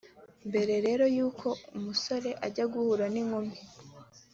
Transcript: Mbere rero y’uko umusore ajya guhura n’inkumi